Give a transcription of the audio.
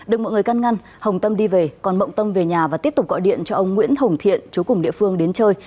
được mọi người căn ngăn hồng tâm đi về còn mộng tâm về nhà và tiếp tục gọi điện cho ông nguyễn hồng thiện chú cùng địa phương đến chơi